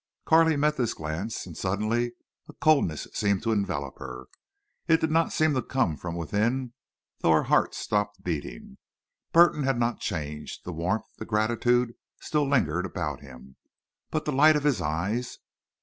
Carley met this glance and suddenly a coldness seemed to envelop her. It did not seem to come from within though her heart stopped beating. Burton had not changed—the warmth, the gratitude still lingered about him. But the light of his eyes!